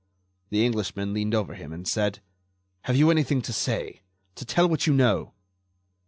The Englishman leaned over him and said: "Have you anything to say?... To tell what you know?"